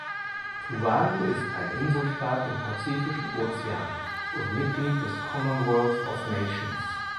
Tuvalu ist ein Inselstaat im Pazifischen Ozean und Mitglied des Commonwealth of Nations.